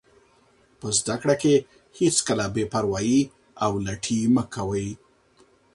په زده کړه کې هېڅکله بې پروایي او لټي مه کوئ.